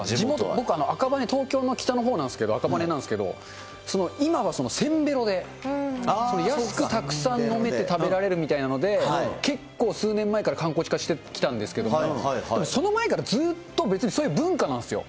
僕、赤羽、東京の北のほうなんですけど、赤羽なんですけれども、その今はせんべろで、やすくたくさん飲めて食べられるみたいので、結構数年前から観光地化してきたんですけれども、その前からずっと別にそういう文化なんですよ。